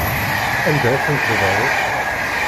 Anda ay tent-tebriḍ?